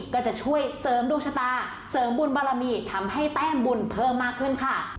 ก็จะช่วยเสริมดวงชะตาเสริมบุญบารมีทำให้แต้มบุญเพิ่มมากขึ้นค่ะ